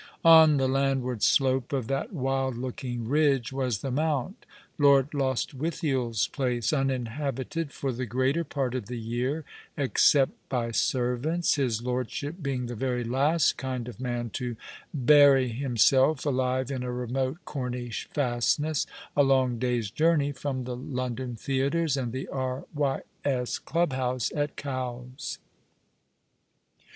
On the landward slope of " The Rain set early in To night!^ 5 that wild looking ridge was the Mount, Lord Lostwithiel's place, uninhabited for the greater part of the year except by servants, his lordship being the very last kind of man to bury himself alive in a remote Cornish fastness, a long day's journey from the London theatres, and the E. Y. S. Club bouse at Cowes.